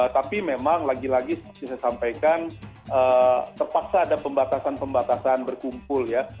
tapi memang lagi lagi seperti saya sampaikan terpaksa ada pembatasan pembatasan berkumpul ya